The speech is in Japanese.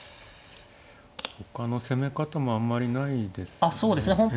他の攻め方もあんまりないですね。